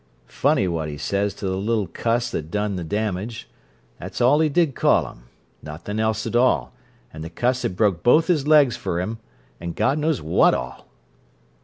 "Funny what he says to the little cuss that done the damage. That's all he did call him—nothin' else at all—and the cuss had broke both his legs fer him and God knows what all!"